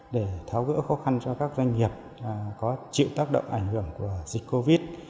để tháo gỡ khó khăn cho các doanh nghiệp có chịu tác động ảnh hưởng của dịch covid